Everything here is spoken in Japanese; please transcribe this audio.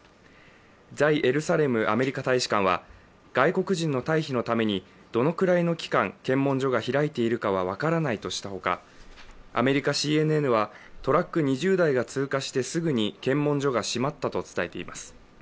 在エルサレム・アメリカ大使館は、外国人の退避のためにどのくらいの期間検問所が開いているかは分からないとしたほか、アメリカＣＮＮは、トラック２０台が通過してすぐに検問所が閉まったと伝えています。